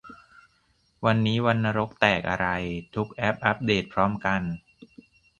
วันนี้วันนรกแตกอะไร ทุกแอปอัปเดตพร้อมกัน !